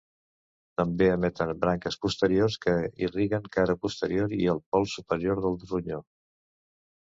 També emeten branques posteriors que irriguen cara posterior i el pol superior del ronyó.